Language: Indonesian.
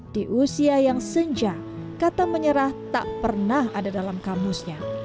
di usia yang senja kata menyerah tak pernah ada dalam kamusnya